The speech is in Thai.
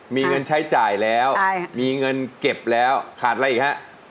มีเงินใช้จ่ายแล้วมีเงินเก็บแล้วขาดอะไรอีกฮะ